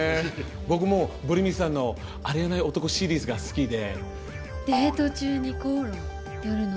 僕もブル美さんの「ありえない男シリーズ」が好きで。